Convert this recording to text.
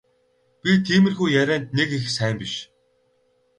Би тиймэрхүү ярианд нэг их сайн биш.